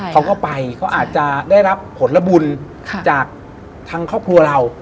เขาก็ไปเขาอาจจะได้รับผลบุญจากทางครอบครัวเรา